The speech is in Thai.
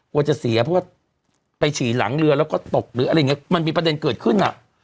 กลัวจะเสียเพราะว่าไปฉี่หลังเรือแล้วก็ตกหรืออะไรอย่างเงี้มันมีประเด็นเกิดขึ้นอ่ะ